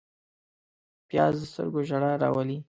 پیاز د سترګو ژړا راولي